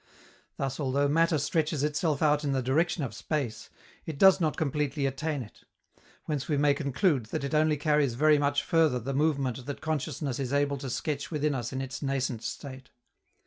Thus, although matter stretches itself out in the direction of space, it does not completely attain it; whence we may conclude that it only carries very much further the movement that consciousness is able to sketch within us in its nascent state.